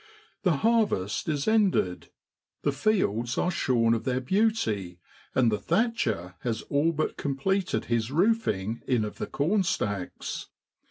The harvest is ended, the fields ares horn of their beauty, and the thatcher has all but com pleted his roofing in of the corn stacks.